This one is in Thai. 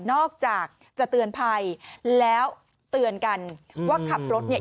อกจากจะเตือนภัยแล้วเตือนกันว่าขับรถเนี่ย